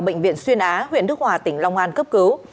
bệnh viện xuyên á huyện đức hòa tỉnh long an cấp cứu